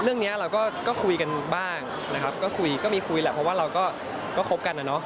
เรื่องนี้เราก็คุยกันบ้างนะครับก็คุยก็มีคุยแหละเพราะว่าเราก็คบกันนะเนาะ